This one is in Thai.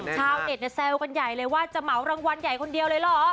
ชาวเน็ตแซวกันใหญ่เลยว่าจะเหมารางวัลใหญ่คนเดียวเลยเหรอ